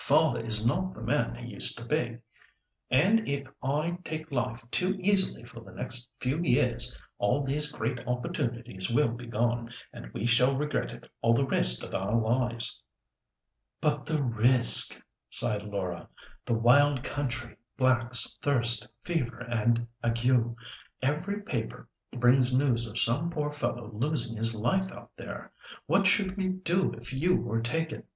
Father is not the man he used to be. And if I take life too easily for the next few years, all these great opportunities will be gone, and we shall regret it all the rest of our lives." "But the risk!" sighed Laura; "the wild country, blacks, thirst, fever and ague. Every paper brings news of some poor fellow losing his life out there. What should we do if you were taken?